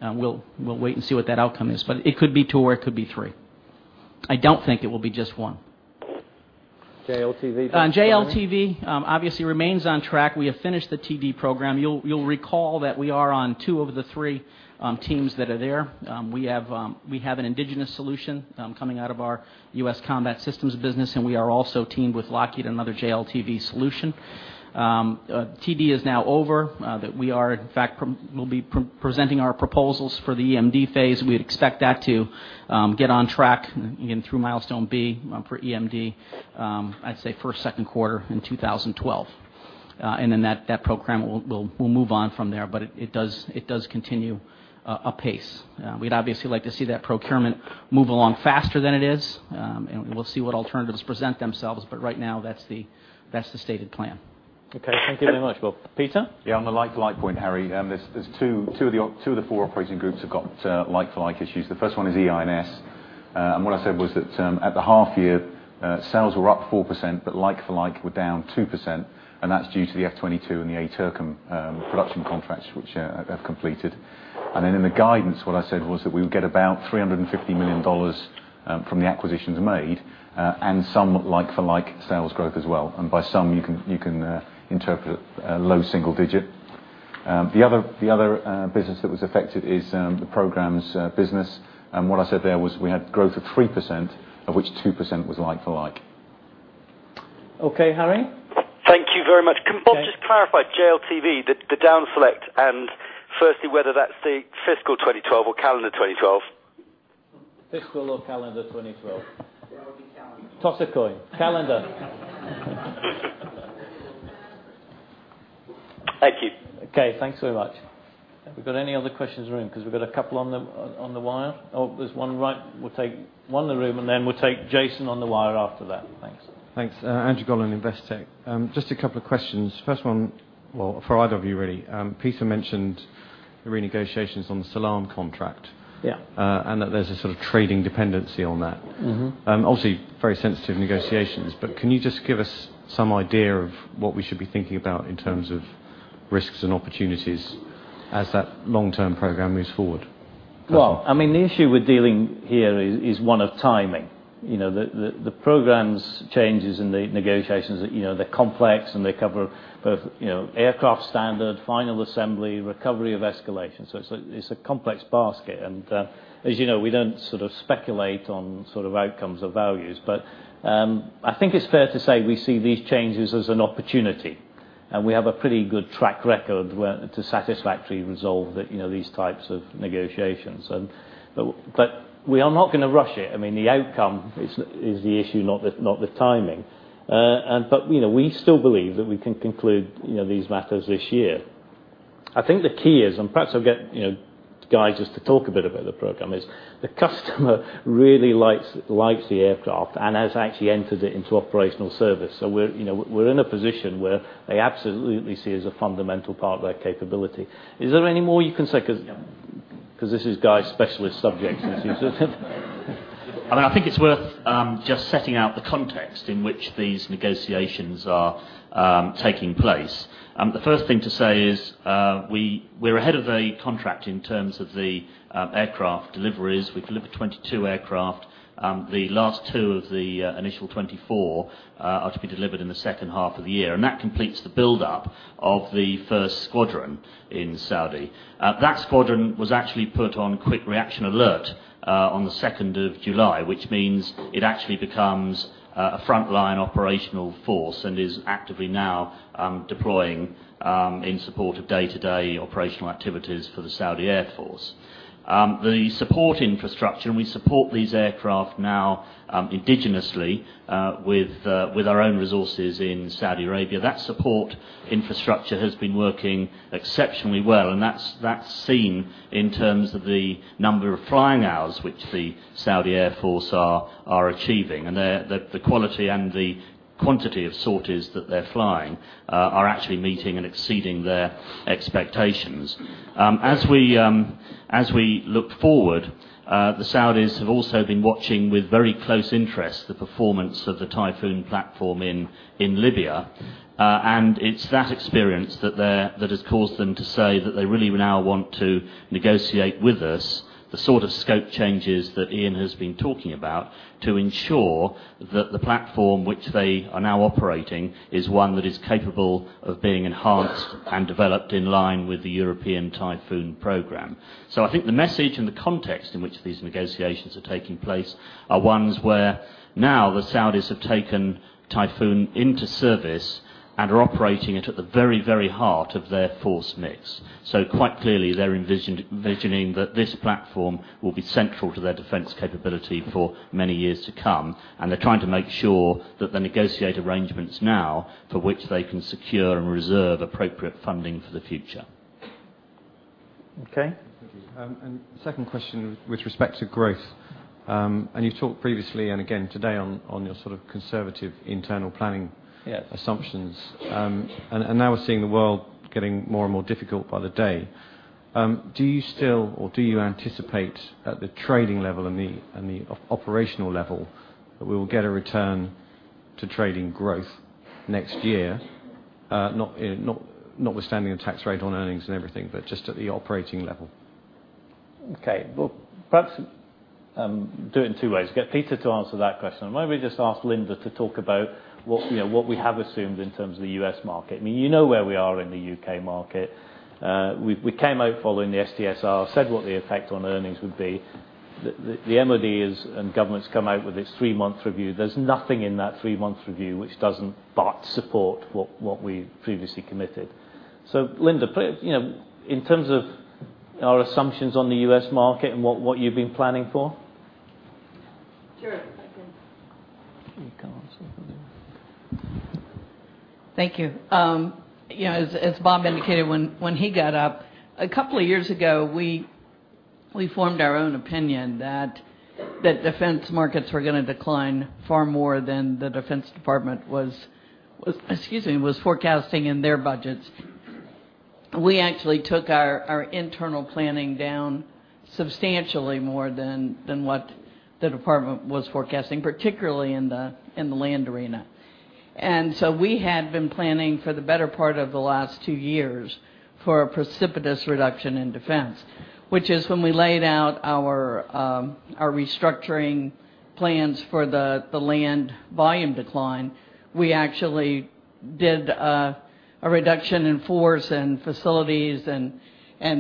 Speaker 5: we'll wait and see what that outcome is. It could be two or it could be three. I don't think it will be just one.
Speaker 1: JLTV next, Harry.
Speaker 5: On JLTV, obviously remains on track. We have finished the T&D program. You'll recall that we are on two of the three teams that are there. We have an indigenous solution coming out of our U.S. Combat Systems business, and we are also teamed with Lockheed on another JLTV solution. T&D is now over, that we are in fact, we'll be presenting our proposals for the EMD phase. We'd expect that to get on track, again through Milestone B for EMD. I'd say first, second quarter in 2012. That program will move on from there, it does continue apace. We'd obviously like to see that procurement move along faster than it is. We'll see what alternatives present themselves, right now, that's the stated plan.
Speaker 1: Okay, thank you very much, Bob. Peter?
Speaker 2: Yeah, on the like-to-like point, Harry, two of the four operating groups have got like-for-like issues. The first one is EI&S. What I said was that at the half year, sales were up 4%, but like for like were down 2%, and that's due to the F-22 and the ATK production contracts which have completed. Then in the guidance, what I said was that we would get about $350 million from the acquisitions made, and some like-for-like sales growth as well. By some, you can interpret low single digit. The other business that was affected is the programs business. What I said there was we had growth of 3%, of which 2% was like for like.
Speaker 1: Okay, Harry?
Speaker 9: Thank you very much.
Speaker 1: Okay.
Speaker 9: Can Bob just clarify, JLTV, the down select, firstly whether that's the fiscal 2012 or calendar 2012?
Speaker 1: Fiscal or calendar 2012.
Speaker 5: It will be calendar. Toss a coin. Calendar.
Speaker 9: Thank you.
Speaker 1: Okay, thanks very much. Have we got any other questions in the room? We've got a couple on the wire. There's one. We'll take one in the room, and then we'll take Jason on the wire after that. Thanks.
Speaker 10: Thanks. Andrew Gollan, Investec. Just a couple of questions. First one, well, for either of you, really. Peter mentioned the renegotiations on the Salam contract.
Speaker 1: Yeah.
Speaker 10: That there's a sort of trading dependency on that. Can you just give us some idea of what we should be thinking about in terms of risks and opportunities as that long-term program moves forward?
Speaker 1: Well, the issue we're dealing here is one of timing. The program's changes and the negotiations, they're complex and they cover both aircraft standard, final assembly, recovery of escalation. It's a complex basket. As you know, we don't speculate on outcomes or values. I think it's fair to say we see these changes as an opportunity. We have a pretty good track record to satisfactorily resolve these types of negotiations. We are not going to rush it. The outcome is the issue, not the timing. We still believe that we can conclude these matters this year. I think the key is, and perhaps I'll get Guy just to talk a bit about the program, is the customer really likes the aircraft and has actually entered it into operational service. We're in a position where they absolutely see it as a fundamental part of their capability. Is there any more you can say? Because this is Guy's specialist subject.
Speaker 4: I think it's worth just setting out the context in which these negotiations are taking place. The first thing to say is, we're ahead of a contract in terms of the aircraft deliveries. We've delivered 22 aircraft. The last two of the initial 24 are to be delivered in the second half of the year, and that completes the build-up of the first squadron in Saudi. That squadron was actually put on quick reaction alert on the 2nd of July, which means it actually becomes a frontline operational force and is actively now deploying in support of day-to-day operational activities for the Saudi Air Force. The support infrastructure, and we support these aircraft now indigenously with our own resources in Saudi Arabia. That support infrastructure has been working exceptionally well, and that's seen in terms of the number of flying hours which the Saudi Air Force are achieving. The quality and the quantity of sorties that they're flying are actually meeting and exceeding their expectations. As we look forward, the Saudis have also been watching with very close interest the performance of the Typhoon platform in Libya. It's that experience that has caused them to say that they really now want to negotiate with us the sort of scope changes that Ian has been talking about to ensure that the platform which they are now operating is one that is capable of being enhanced and developed in line with the European Typhoon program. I think the message and the context in which these negotiations are taking place are ones where now the Saudis have taken Typhoon into service and are operating it at the very heart of their force mix. Quite clearly, they're envisioning that this platform will be central to their defense capability for many years to come, and they're trying to make sure that they negotiate arrangements now for which they can secure and reserve appropriate funding for the future.
Speaker 1: Okay.
Speaker 10: Thank you. Second question with respect to growth. You've talked previously and again today on your conservative internal planning-
Speaker 1: Yes
Speaker 10: assumptions. Now we're seeing the world getting more and more difficult by the day. Do you still or do you anticipate at the trading level and the operational level, that we will get a return to trading growth next year, notwithstanding the tax rate on earnings and everything, but just at the operating level?
Speaker 1: Well, perhaps, do it in two ways. Get Peter to answer that question, and maybe just ask Linda to talk about what we have assumed in terms of the U.S. market. You know where we are in the U.K. market. We came out following the SDSR, said what the effect on earnings would be. The MOD is, and government's come out with its three-month review. There's nothing in that three-month review which doesn't but support what we previously committed. Linda, in terms of our assumptions on the U.S. market and what you've been planning for.
Speaker 11: Sure. I can. Thank you. As Bob indicated when he got up, a couple of years ago, we formed our own opinion that defense markets were going to decline far more than the Defense Department was, excuse me, was forecasting in their budgets. We actually took our internal planning down substantially more than what the department was forecasting, particularly in the land arena. We had been planning for the better part of the last two years for a precipitous reduction in defense, which is when we laid out our restructuring plans for the land volume decline. We actually did a reduction in force and facilities and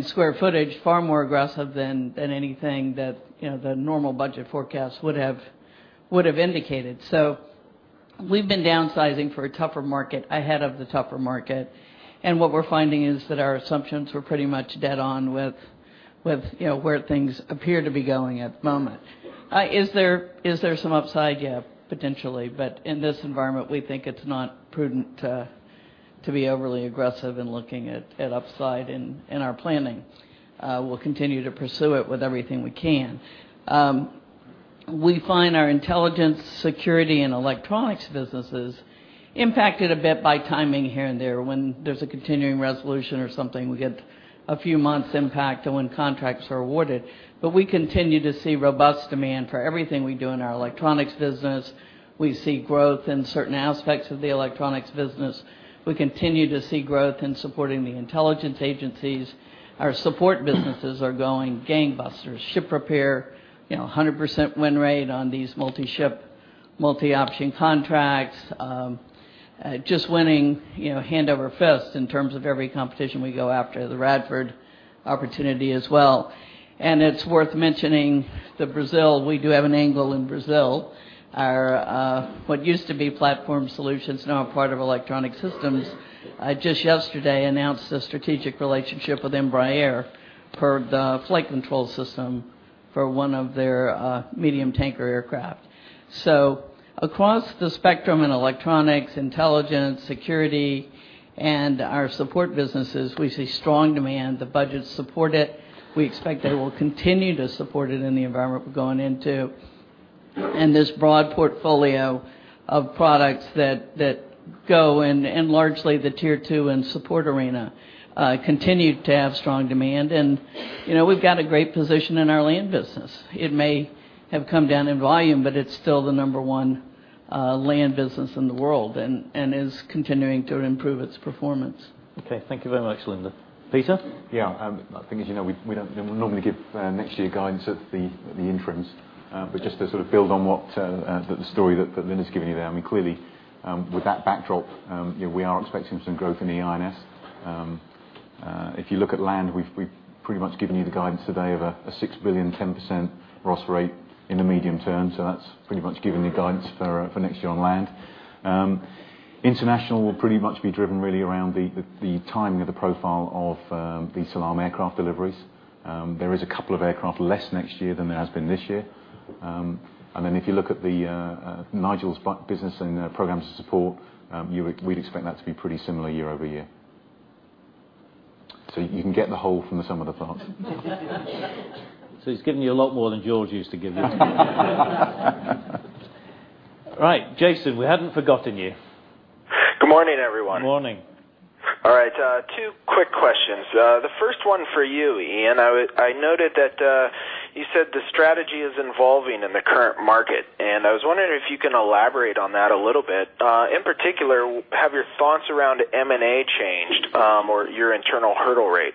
Speaker 11: square footage far more aggressive than anything that the normal budget forecast would have indicated. We've been downsizing for a tougher market ahead of the tougher market. What we're finding is that our assumptions were pretty much dead on with where things appear to be going at the moment. Is there some upside? Yeah, potentially, but in this environment, we think it's not prudent to be overly aggressive in looking at upside in our planning. We'll continue to pursue it with everything we can. We find our Intelligence, Security, and Electronics businesses impacted a bit by timing here and there. When there's a continuing resolution or something, we get a few months impact on when contracts are awarded. We continue to see robust demand for everything we do in our Electronics business. We see growth in certain aspects of the Electronics business. We continue to see growth in supporting the intelligence agencies. Our support businesses are going gangbusters. Ship repair, 100% win rate on these multi-ship, multi-option contracts. Just winning hand over fist in terms of every competition we go after, the Radford opportunity as well. It's worth mentioning that Brazil, we do have an angle in Brazil. What used to be Platform Solutions, now a part of Electronic Systems, just yesterday announced a strategic relationship with Embraer for the flight control system for one of their medium tanker aircraft. Across the spectrum in Electronics, Intelligence, Security, and our support businesses, we see strong demand. The budgets support it. We expect they will continue to support it in the environment we're going into. This broad portfolio of products that go in largely the tier 2 and support arena, continue to have strong demand. We've got a great position in our land business. It may have come down in volume, but it's still the number one land business in the world, and is continuing to improve its performance.
Speaker 1: Okay. Thank you very much, Linda. Peter?
Speaker 2: Yeah. I think as you know, we don't normally give next year guidance at the interims. Just to build on the story that Linda's given you there, clearly, with that backdrop, we are expecting some growth in the I&S. If you look at land, we've pretty much given you the guidance today of a 6 billion, 10% gross rate in the medium term. That's pretty much given you guidance for next year on land. International will pretty much be driven really around the timing of the profile of the Salam aircraft deliveries. There is a couple of aircraft less next year than there has been this year. Then if you look at Nigel's business and Programmes and Support, we'd expect that to be pretty similar year-over-year. You can get the whole from the sum of the parts.
Speaker 1: He's given you a lot more than George used to give you. All right, Jason, we hadn't forgotten you.
Speaker 12: Good morning, everyone.
Speaker 1: Morning.
Speaker 12: All right, two quick questions. The first one for you, Ian. I noted that you said the strategy is evolving in the current market, and I was wondering if you can elaborate on that a little bit. In particular, have your thoughts around M&A changed, or your internal hurdle rate?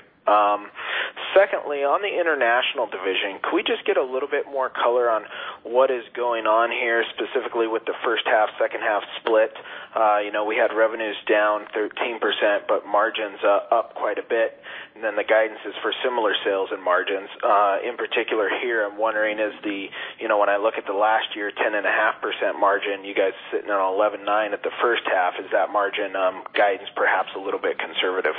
Speaker 12: Secondly, on the international division, could we just get a little bit more color on what is going on here, specifically with the first half, second half split? We had revenues down 13%, but margins up quite a bit, then the guidance is for similar sales and margins. In particular here, I'm wondering, when I look at the last year, 10.5% margin, you guys sitting on 119 at the first half, is that margin guidance perhaps a little bit conservative?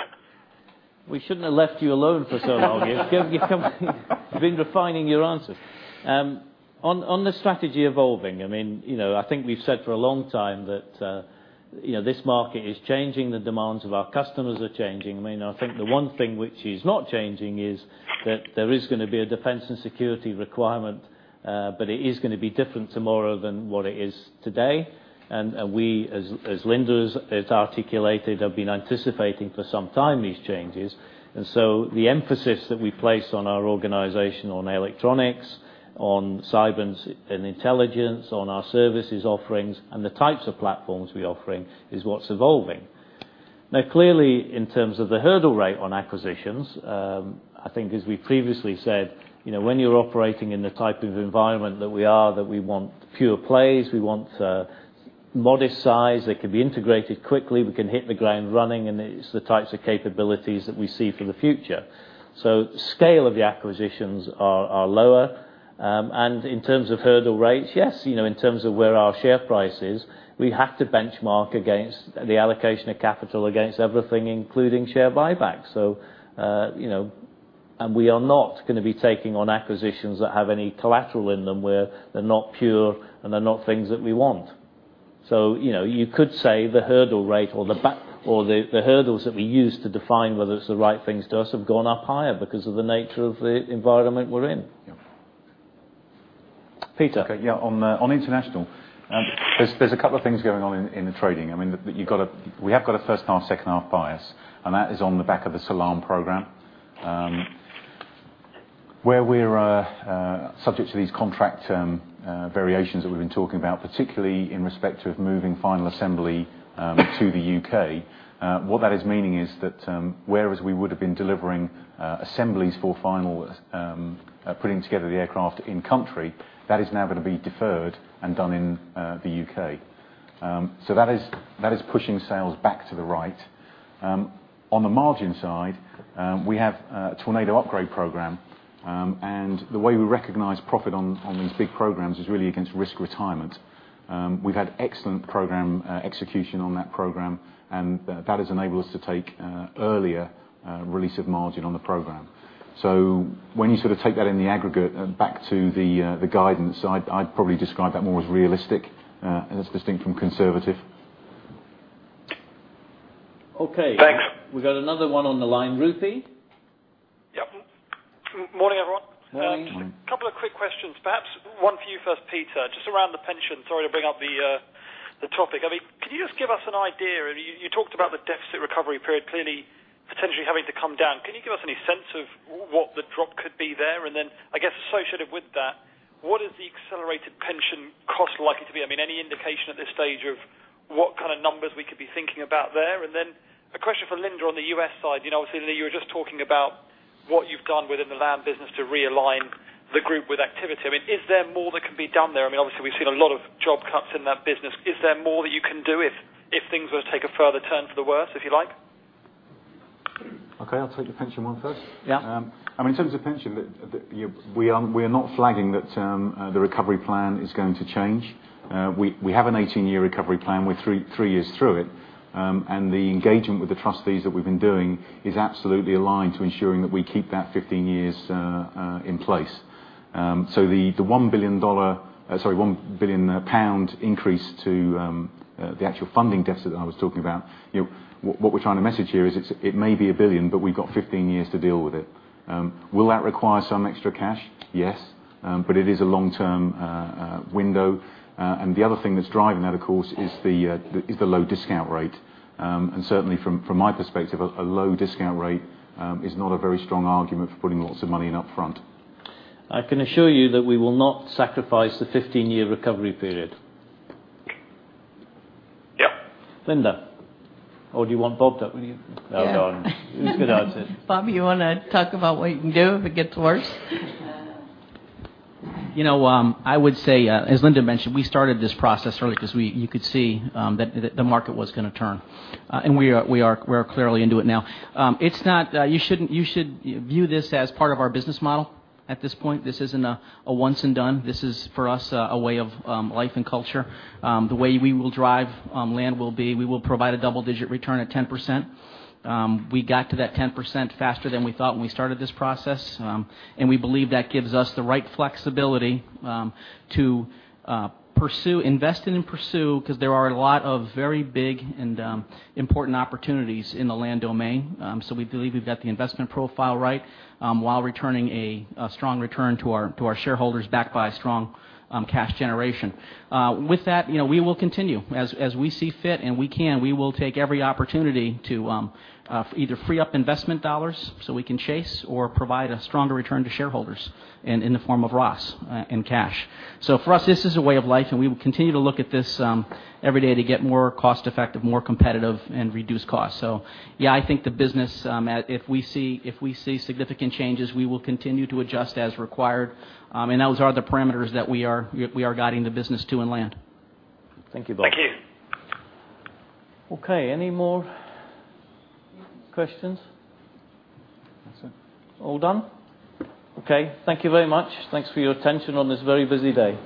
Speaker 1: We shouldn't have left you alone for so long. You've been refining your answers. On the strategy evolving, I think we've said for a long time that this market is changing, the demands of our customers are changing. I think the one thing which is not changing is that there is going to be a defense and security requirement, but it is going to be different tomorrow than what it is today. We, as Linda has articulated, have been anticipating for some time these changes. The emphasis that we place on our organization, on Electronics, on cyber and intelligence, on our services offerings, and the types of platforms we offer, is what's evolving. Clearly, in terms of the hurdle rate on acquisitions, I think as we previously said, when you're operating in the type of environment that we are, that we want pure plays, we want modest size that can be integrated quickly, we can hit the ground running, and it's the types of capabilities that we see for the future. The scale of the acquisitions are lower. In terms of hurdle rates, yes, in terms of where our share price is, we have to benchmark against the allocation of capital against everything, including share buyback. We are not going to be taking on acquisitions that have any collateral in them, where they're not pure, and they're not things that we want. You could say the hurdle rate or the hurdles that we use to define whether it's the right things to us have gone up higher because of the nature of the environment we're in.
Speaker 2: Yeah.
Speaker 1: Peter.
Speaker 2: Okay. Yeah, on international. There's a couple of things going on in the trading. We have got a first-half, second-half bias, and that is on the back of the Salam program, where we're subject to these contract variations that we've been talking about, particularly in respect of moving final assembly to the U.K. What that is meaning is that, whereas we would have been delivering assemblies for final putting together the aircraft in country, that is now going to be deferred and done in the U.K. That is pushing sales back to the right. On the margin side, we have a Tornado upgrade program, and the way we recognize profit on these big programs is really against risk retirement. We've had excellent program execution on that program, and that has enabled us to take earlier release of margin on the program. When you take that in the aggregate, back to the guidance, I'd probably describe that more as realistic, and that's distinct from conservative.
Speaker 1: Okay.
Speaker 12: Thanks.
Speaker 1: We've got another one on the line. Ruthie?
Speaker 13: Yep. Morning, everyone.
Speaker 1: Morning.
Speaker 13: A couple of quick questions, perhaps one for you first, Peter, just around the pension. Sorry to bring up the topic. Can you just give us an idea, you talked about the deficit recovery period clearly potentially having to come down. Can you give us any sense of what the drop could be there? Then, I guess associated with that, what is the accelerated pension cost likely to be? Any indication at this stage of what kind of numbers we could be thinking about there? Then a question for Linda on the U.S. side. Obviously, Linda, you were just talking about what you've done within the Land business to realign the group with activity. Is there more that can be done there? Obviously, we've seen a lot of job cuts in that business. Is there more that you can do if things were to take a further turn for the worse, if you like?
Speaker 2: Okay, I'll take the pension one first.
Speaker 1: Yeah.
Speaker 2: In terms of pension, we are not flagging that the recovery plan is going to change. We have an 18-year recovery plan. We're three years through it. The engagement with the trustees that we've been doing is absolutely aligned to ensuring that we keep that 15 years in place. The 1 billion pound increase to the actual funding deficit that I was talking about, what we're trying to message here is it may be a billion, but we've got 15 years to deal with it. Will that require some extra cash? Yes. It is a long-term window. The other thing that's driving that, of course, is the low discount rate. Certainly, from my perspective, a low discount rate is not a very strong argument for putting lots of money in upfront.
Speaker 1: I can assure you that we will not sacrifice the 15-year recovery period.
Speaker 13: Yep.
Speaker 1: Linda. Do you want Bob to
Speaker 2: No, go on. It was a good answer.
Speaker 1: Bob, you want to talk about what you can do if it gets worse?
Speaker 5: I would say, as Linda mentioned, we started this process early because you could see that the market was going to turn. We are clearly into it now. You should view this as part of our business model at this point. This isn't a once and done. This is, for us, a way of life and culture. The way we will drive Land will be, we will provide a double-digit return at 10%. We got to that 10% faster than we thought when we started this process, and we believe that gives us the right flexibility to invest in and pursue, because there are a lot of very big and important opportunities in the Land domain. We believe we've got the investment profile right while returning a strong return to our shareholders, backed by strong cash generation. With that, we will continue. As we see fit, and we can, we will take every opportunity to either free up investment dollars so we can chase or provide a stronger return to shareholders in the form of RoS and cash. For us, this is a way of life, and we will continue to look at this every day to get more cost-effective, more competitive, and reduce costs. I think the business, if we see significant changes, we will continue to adjust as required. Those are the parameters that we are guiding the business to in Land.
Speaker 1: Thank you, Bob.
Speaker 13: Thank you.
Speaker 1: Okay. Any more questions? All done? Okay. Thank you very much. Thanks for your attention on this very busy day.